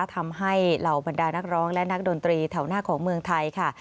ทำให้เหล่าบรรดานักร้องและนักดนตรีแถวหน้าของเมืองไทยค่ะ